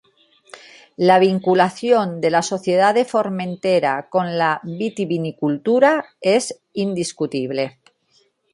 La vinculación de la sociedad de Formentera con la vitivinicultura es indiscutible.